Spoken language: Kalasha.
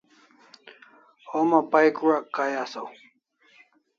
Homa pay q'uak kai asaw